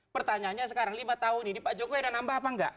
pertanyaannya sekarang lima tahun ini pak jokowi ada nambah apa enggak